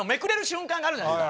があるじゃないですか